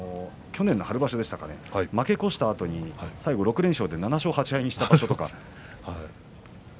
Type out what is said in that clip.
去年の春場所二日目、負け越したあとに最後は６連勝で７勝８敗にしましたね。